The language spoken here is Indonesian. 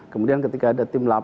kemudian ketika ada tim delapan